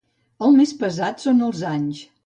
El més pesat són els anys.